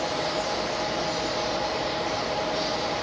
ต้องเติมเนี่ย